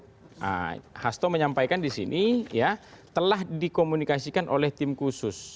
nah hasto menyampaikan di sini ya telah dikomunikasikan oleh tim khusus